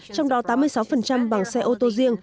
trong đó tám mươi sáu bằng xe ô tô riêng